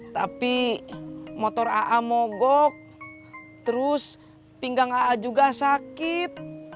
tapi motor aa mogok terus pinggang aa juga sakit